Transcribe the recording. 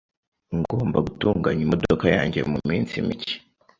Ngomba gutunganya imodoka yanjye muminsi mike.